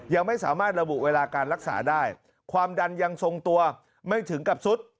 ยังไม่สามารถระบุเวลาการรักษาได้ความดันยังทรงตัวไม่ถึงกับซุด